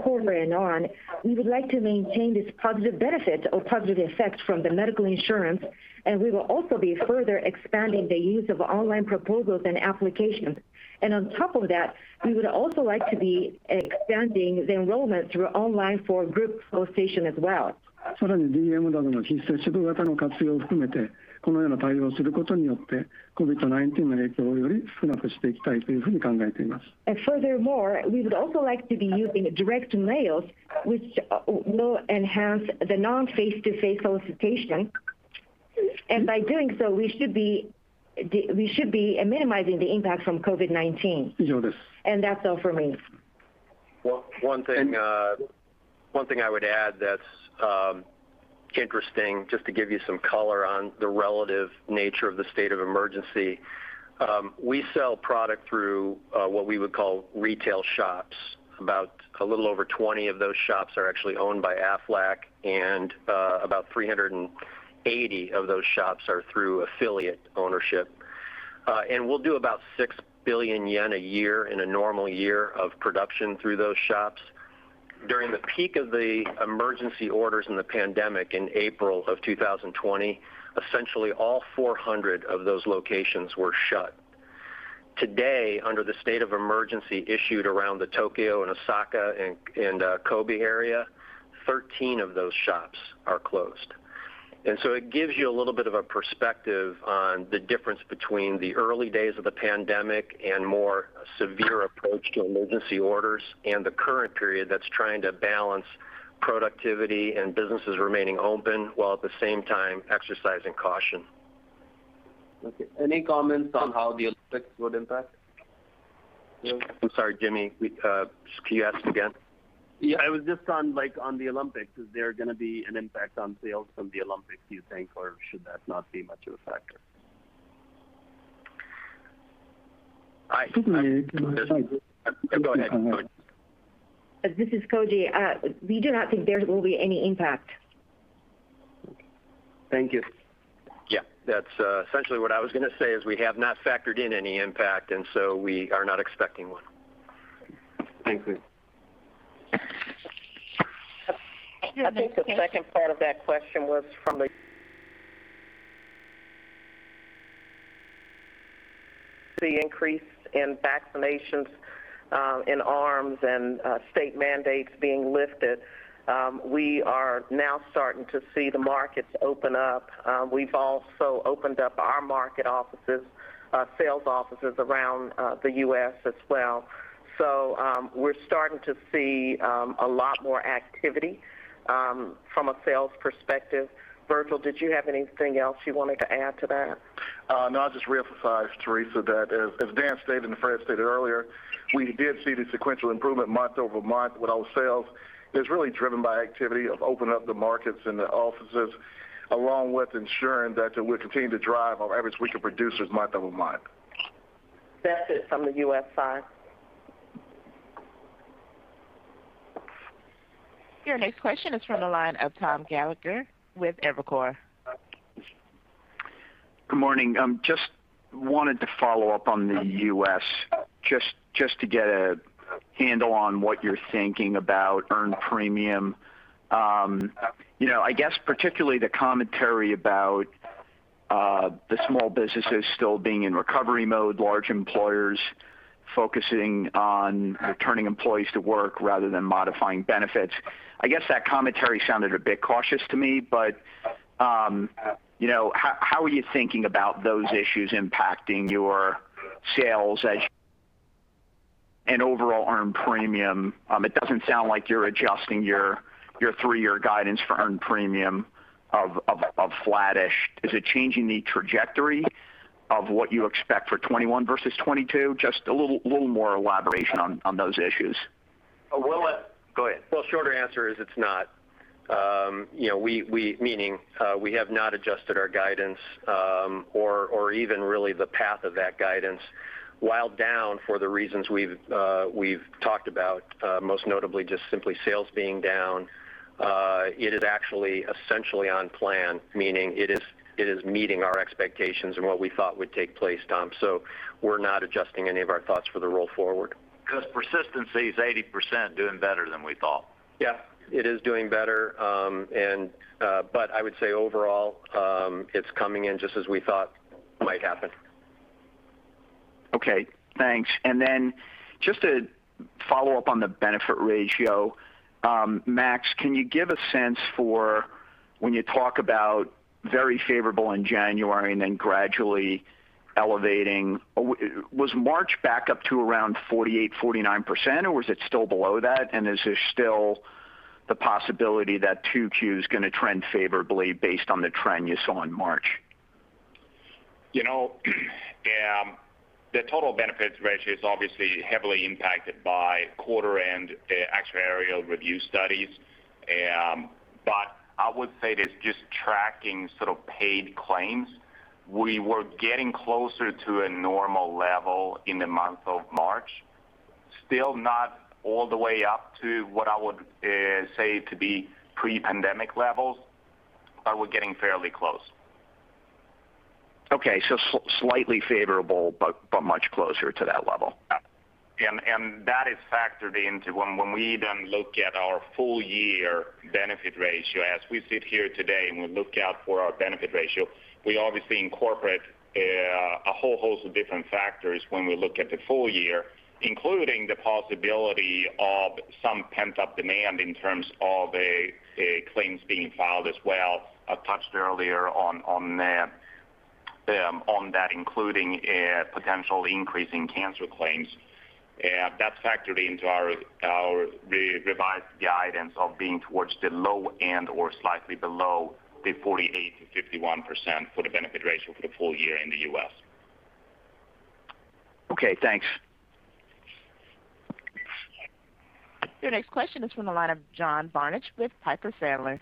and on, we would like to maintain this positive benefit or positive effect from the medical insurance, and we will also be further expanding the use of online proposals and applications. On top of that, we would also like to be expanding the enrollment through online for group solicitation as well. Furthermore, we would also like to be using direct mails, which will enhance the non-face-to-face solicitation. By doing so, we should be minimizing the impact from COVID-19. That's all for me. One thing I would add that's. Interesting. Just to give you some color on the relative nature of the state of emergency. We sell product through what we would call retail shops. About a little over 20 of those shops are actually owned by Aflac, and about 380 of those shops are through affiliate ownership. We'll do about 6 billion yen a year in a normal year of production through those shops. During the peak of the emergency orders in the pandemic in April of 2020, essentially all 400 of those locations were shut. Today, under the state of emergency issued around the Tokyo and Osaka and Kobe area, 13 of those shops are closed. It gives you a little bit of a perspective on the difference between the early days of the pandemic and more severe approach to emergency orders, and the current period that's trying to balance productivity and businesses remaining open, while at the same time exercising caution. Okay. Any comments on how the Olympics would impact sales? I'm sorry, Jimmy, can you ask again? It was just on the Olympics. Is there going to be an impact on sales from the Olympics, do you think? Or should that not be much of a factor? Go ahead. This is Koji. We do not think there will be any impact. Thank you. Yeah. That's essentially what I was going to say, is we have not factored in any impact, and so we are not expecting one. Thank you. I think the second part of that question was from the increase in vaccinations in arms and state mandates being lifted. We are now starting to see the markets open up. We've also opened up our market offices, sales offices around the U.S. as well. We're starting to see a lot more activity from a sales perspective. Virgil, did you have anything else you wanted to add to that? I'll just reemphasize, Teresa, that as Dan stated and Fred stated earlier, we did see the sequential improvement month-over-month with our sales. It was really driven by activity of opening up the markets and the offices, along with ensuring that we're continuing to drive our average weekly producers month-over-month. That's it from the U.S. side. Your next question is from the line of Thomas Gallagher with Evercore. Good morning. Just wanted to follow up on the U.S., just to get a handle on what you're thinking about earned premium. I guess particularly the commentary about the small businesses still being in recovery mode, large employers focusing on returning employees to work rather than modifying benefits. I guess that commentary sounded a bit cautious to me. How are you thinking about those issues impacting your sales as an overall earned premium? It doesn't sound like you're adjusting your three-year guidance for earned premium of flattish. Is it changing the trajectory of what you expect for 2021 versus 2022? Just a little more elaboration on those issues. Well, it- Go ahead. Well, shorter answer is it's not. Meaning, we have not adjusted our guidance or even really the path of that guidance. While down for the reasons we've talked about, most notably just simply sales being down, it is actually essentially on plan, meaning it is meeting our expectations and what we thought would take place, Tom. We're not adjusting any of our thoughts for the roll forward. persistency is 80% doing better than we thought. Yeah. It is doing better, but I would say overall, it's coming in just as we thought might happen. Okay, thanks. Just to follow up on the benefit ratio. Max, can you give a sense for when you talk about very favorable in January and then gradually elevating, was March back up to around 48%, 49%, or was it still below that? Is there still the possibility that 2Q is going to trend favorably based on the trend you saw in March? The total benefits ratio is obviously heavily impacted by quarter and actuarial review studies. I would say that just tracking sort of paid claims, we were getting closer to a normal level in the month of March. Still not all the way up to what I would say to be pre-pandemic levels, but we're getting fairly close. Okay. Slightly favorable, but much closer to that level. Yeah. That is factored into when we then look at our full year benefit ratio. As we sit here today and we look out for our benefit ratio, we obviously incorporate a whole host of different factors when we look at the full year, including the possibility of some pent-up demand in terms of claims being filed as well. I touched earlier on that, including potential increase in cancer claims. That's factored into our revised guidance of being towards the low end or slightly below the 48%-51% for the benefit ratio for the full year in the U.S. Okay, thanks. Your next question is from the line of John Barnidge with Piper Sandler.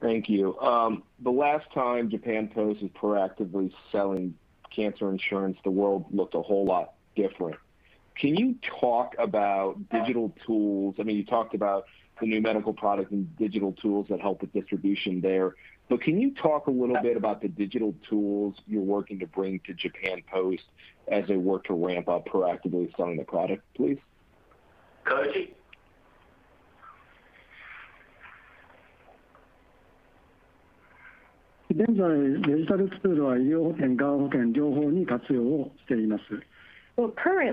Thank you. The last time Japan Post was proactively selling cancer insurance, the world looked a whole lot different. Can you talk about digital tools? You talked about the new medical product and digital tools that help with distribution there. Can you talk a little bit about the digital tools you're working to bring to Japan Post as they work to ramp up proactively selling the product, please? Koide? Well, currently, digital tools are used both for medical insurance and cancer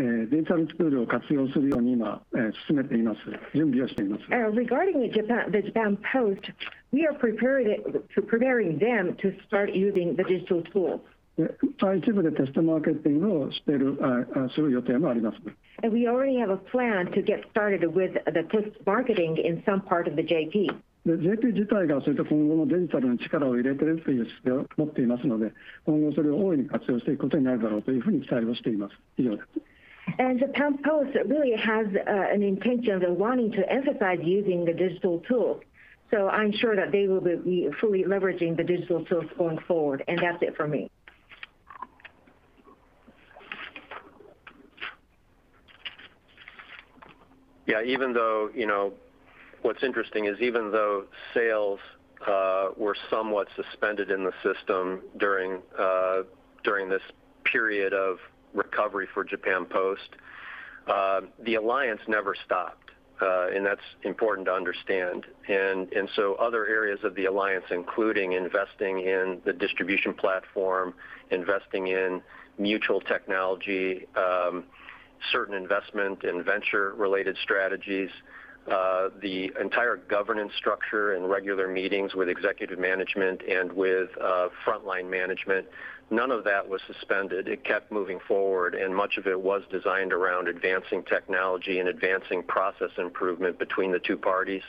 insurance. Since the younger generation uses more the digital tools, it is being very much used by younger people. Regarding the Japan Post, we are preparing them to start using the digital tool. We already have a plan to get started with the post marketing in some part of the JP. Japan Post really has an intention of wanting to emphasize using the digital tool. I'm sure that they will be fully leveraging the digital tools going forward. That's it from me. Yeah. What's interesting is even though sales were somewhat suspended in the system during this period of recovery for Japan Post, the alliance never stopped. That's important to understand. Other areas of the alliance, including investing in the distribution platform, investing in mutual technology, certain investment in venture-related strategies, the entire governance structure and regular meetings with executive management and with frontline management, none of that was suspended. It kept moving forward, and much of it was designed around advancing technology and advancing process improvement between the two parties,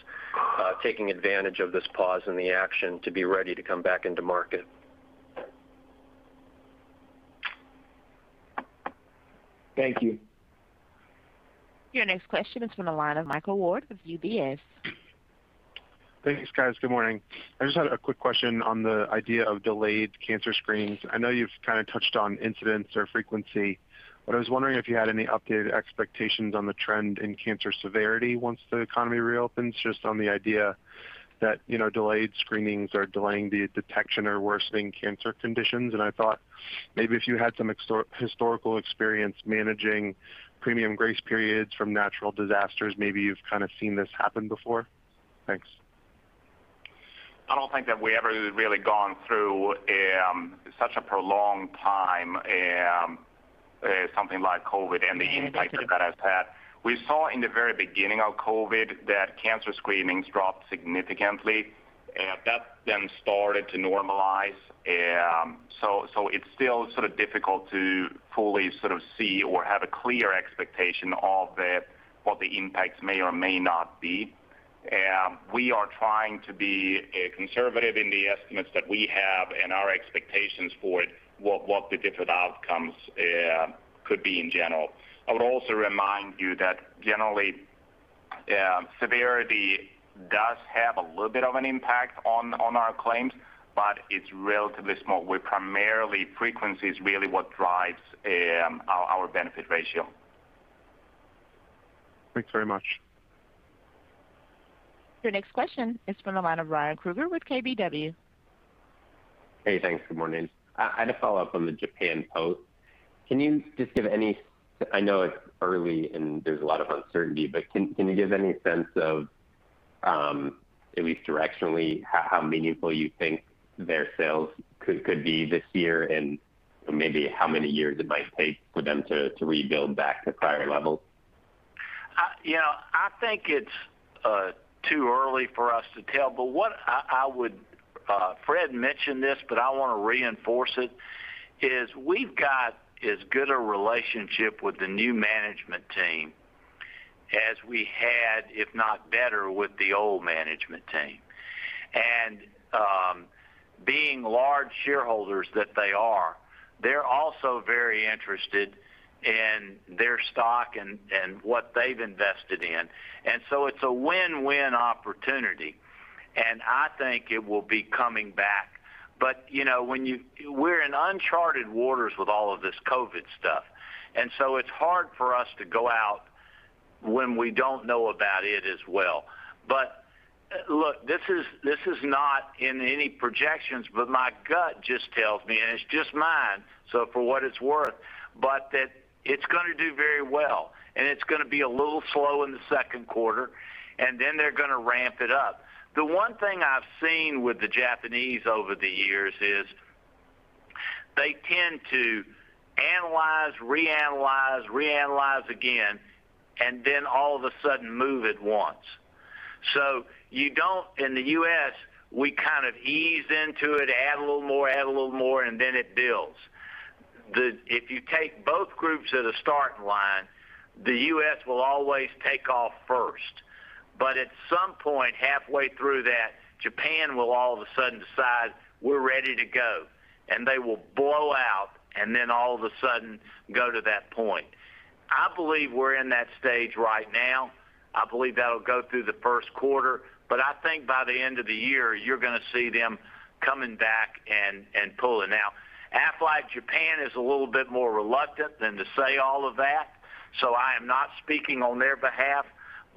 taking advantage of this pause in the action to be ready to come back into market. Thank you. Your next question is from the line of Michael Ward with UBS. Thanks, guys. Good morning. I just had a quick question on the idea of delayed cancer screenings. I know you've kind of touched on incidence or frequency, but I was wondering if you had any updated expectations on the trend in cancer severity once the economy reopens, just on the idea that delayed screenings are delaying the detection or worsening cancer conditions. I thought maybe if you had some historical experience managing premium grace periods from natural disasters, maybe you've kind of seen this happen before. Thanks. I don't think that we've ever really gone through such a prolonged time, something like COVID and the impact that that has had. We saw in the very beginning of COVID that cancer screenings dropped significantly. That started to normalize. It's still sort of difficult to fully sort of see or have a clear expectation of what the impacts may or may not be. We are trying to be conservative in the estimates that we have and our expectations for it, what the different outcomes could be in general. I would also remind you that generally, severity does have a little bit of an impact on our claims, but it's relatively small. Primarily, frequency is really what drives our benefit ratio. Thanks very much. Your next question is from the line of Ryan Krueger with KBW. Hey, thanks. Good morning. I had a follow-up on the Japan Post. Can you give any sense of, at least directionally, how meaningful you think their sales could be this year, and maybe how many years it might take for them to rebuild back to prior levels? I think it's too early for us to tell. Fred mentioned this, but I want to reinforce it, is we've got as good a relationship with the new management team as we had, if not better, with the old management team. Being large shareholders that they are, they're also very interested in their stock and what they've invested in. It's a win-win opportunity. I think it will be coming back. We're in uncharted waters with all of this COVID stuff, and so it's hard for us to go out when we don't know about it as well. Look, this is not in any projections, but my gut just tells me, and it's just mine, so for what it's worth, that it's going to do very well, and it's going to be a little slow in the second quarter, and then they're going to ramp it up. The one thing I've seen with the Japanese over the years is. They tend to analyze, reanalyze again, and then all of a sudden move at once. You don't in the U.S., we kind of ease into it, add a little more, add a little more, and then it builds. If you take both groups at a starting line, the U.S. will always take off first, but at some point halfway through that, Japan will all of a sudden decide we're ready to go, and they will blow out, and then all of a sudden go to that point. I believe we're in that stage right now. I believe that'll go through the first quarter, but I think by the end of the year, you're going to see them coming back and pulling out. Aflac Japan is a little bit more reluctant than to say all of that, so I am not speaking on their behalf,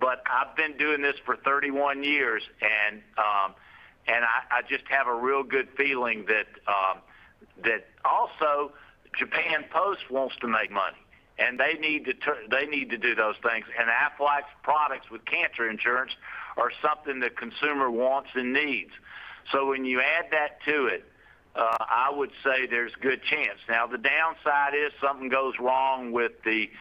but I've been doing this for 31 years and I just have a real good feeling that also Japan Post wants to make money, and they need to do those things. Aflac's products with cancer insurance are something the consumer wants and needs. When you add that to it, I would say there's a good chance. The downside is something goes wrong with COVID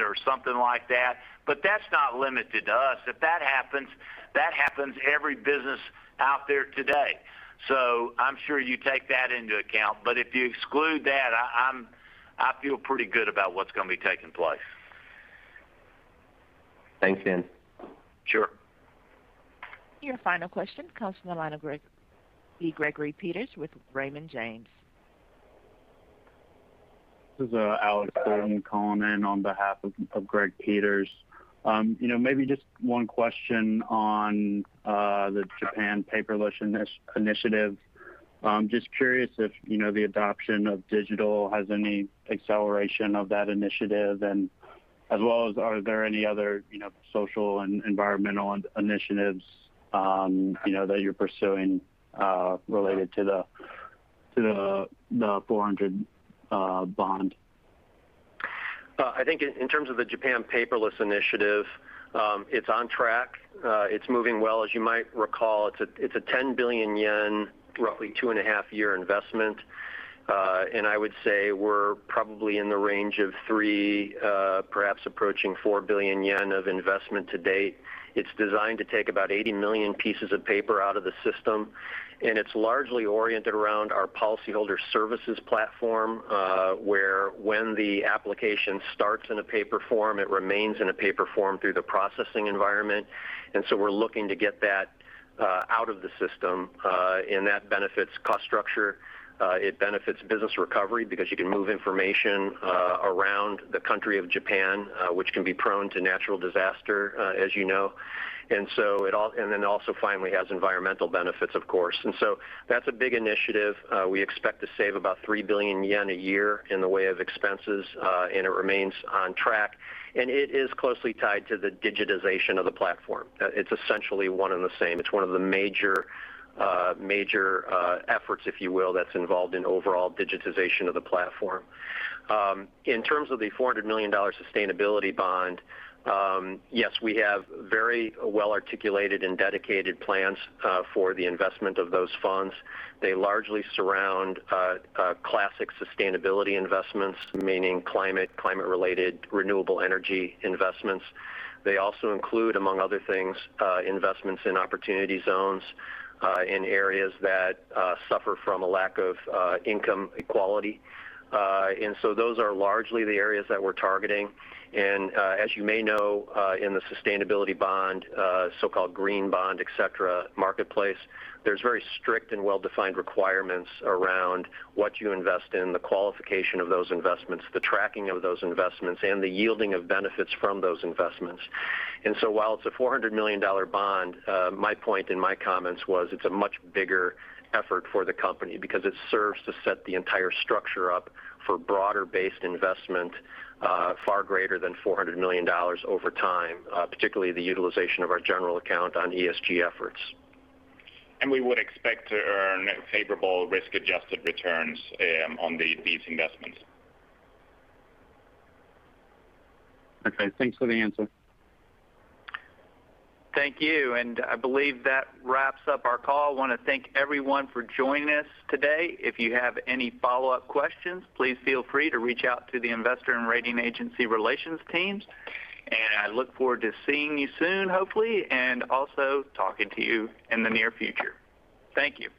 or something like that, but that's not limited to us. If that happens, that happens every business out there today. I'm sure you take that into account, but if you exclude that, I feel pretty good about what's going to be taking place. Thanks, Dan. Sure. Your final question comes from the line of Gregory Peters with Raymond James. This is Alex Scott calling in on behalf of Greg Peters. Maybe just one question on the Japan paperless initiative. Just curious if the adoption of digital has any acceleration of that initiative and as well as are there any other social and environmental initiatives that you're pursuing related to the $400 million bond? I think in terms of the Japan paperless initiative, it's on track. It's moving well. As you might recall, it's a 10 billion yen, roughly two and a half year investment. I would say we're probably in the range of 3 billion, perhaps approaching 4 billion yen of investment to date. It's designed to take about 80 million pieces of paper out of the system, and it's largely oriented around our policyholder services platform, where when the application starts in a paper form, it remains in a paper form through the processing environment. We're looking to get that out of the system, and that benefits cost structure. It benefits business recovery because you can move information around the country of Japan, which can be prone to natural disaster, as you know. Also finally has environmental benefits, of course. That's a big initiative. We expect to save about 3 billion yen a year in the way of expenses, and it remains on track, and it is closely tied to the digitization of the platform. It's essentially one and the same. It's one of the major efforts, if you will, that's involved in overall digitization of the platform. In terms of the $400 million sustainability bond, yes, we have very well-articulated and dedicated plans for the investment of those funds. They largely surround classic sustainability investments, meaning climate-related renewable energy investments. They also include, among other things, investments in Qualified Opportunity Zones, in areas that suffer from a lack of income equality. Those are largely the areas that we're targeting. As you may know, in the sustainability bond, so-called green bond, et cetera, marketplace, there's very strict and well-defined requirements around what you invest in, the qualification of those investments, the tracking of those investments, and the yielding of benefits from those investments. While it's a $400 million bond, my point in my comments was it's a much bigger effort for the company because it serves to set the entire structure up for broader-based investment, far greater than $400 million over time, particularly the utilization of our general account on ESG efforts. We would expect to earn favorable risk-adjusted returns on these investments. Okay. Thanks for the answer. Thank you. I believe that wraps up our call. I want to thank everyone for joining us today. If you have any follow-up questions, please feel free to reach out to the investor and rating agency relations teams. I look forward to seeing you soon, hopefully, and also talking to you in the near future. Thank you.